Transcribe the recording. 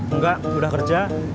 enggak udah kerja